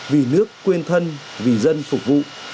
vì nước quên thân vì dân phục vụ